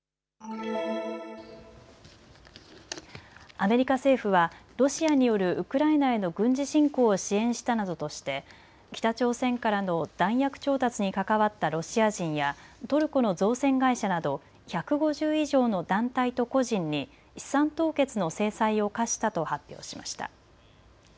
アメリカ政府はロシアによるウクライナへの軍事侵攻を支援したなどとして北朝鮮からの弾薬調達に関わったロシア人やトルコの造船会社など１５０以上の団体と個人に資産凍結の制裁を科したと発表しました。